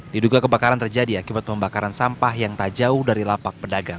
diduga kebakaran terjadi akibat pembakaran sampah yang tak jauh dari lapak pedagang